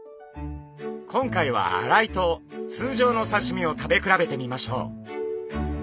今回は洗いと通常の刺身を食べ比べてみましょう。